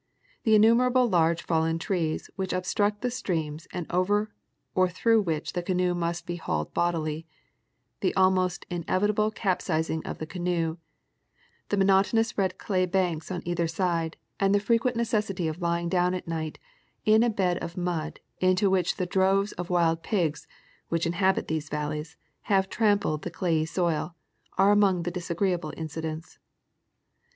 The innumerable large fallen trees which obstruct the streams and over or through which the canoe must be hauled bodily, the almost inevitable capsizing of the canoe, the monotonous red clay banks on either side and the frequent necessity of lying down at night in a bed of mud into which the droves of wild pigs which inhabit these valleys have trampled the clayey soil, are among the disagreeable incidents.